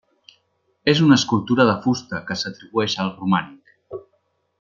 És una escultura de fusta que s'atribueix al romànic.